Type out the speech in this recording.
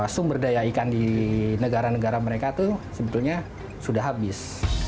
sumber daya ikan di negara negara mereka itu sebetulnya sudah habis